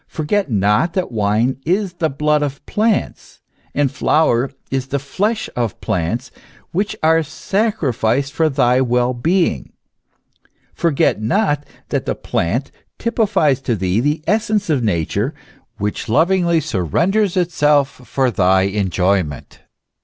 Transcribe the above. Forget not that wine is the blood of plants, and flour the flesh of plants, which are sacrificed for thy well being ! For get not that the plant typifies to thee the essence of Nature, which lovingly surrenders itself for thy enjoyment!